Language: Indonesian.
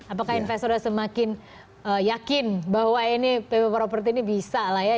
apakah investor sudah semakin yakin bahwa ini pp property ini biasa